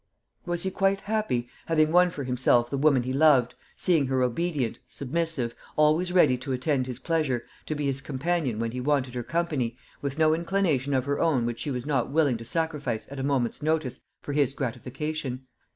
Was he quite happy, having won for himself the woman he loved, seeing her obedient, submissive, always ready to attend his pleasure, to be his companion when he wanted her company, with no inclination of her own which she was not willing to sacrifice at a moment's notice for his gratification?